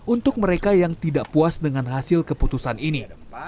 untuk mereka yang tidak puas dengan hasil keputusan ini